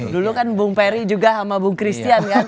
dulu kan bung perry juga sama bung christian